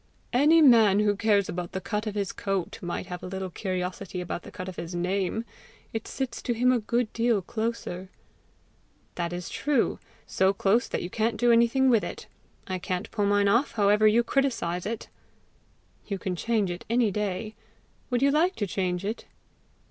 "Any man who cares about the cut of his coat, might have a little curiosity about the cut of his name: it sits to him a good deal closer!" "That is true so close that you can't do anything with it. I can't pull mine off however you criticize it!" "You can change it any day. Would you like to change it?"